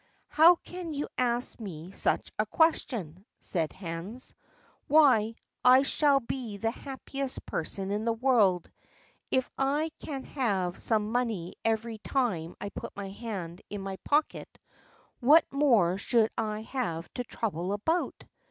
"How can you ask me such a question?" said Hans. "Why, I shall be the happiest person in the world. If I can have some money every time I put my hand in my pocket, what more should I have to trouble about?"